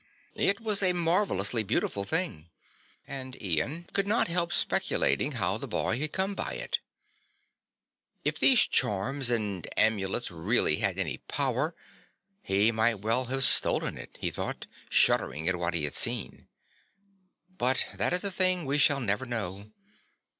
It was a marvellously beautiful thing and Ian could not help speculating how the boy had come by it. "If these charms and amulets really had any power, he might well have stolen it," he thought, shuddering at what he had seen. "But that is a thing we shall never know.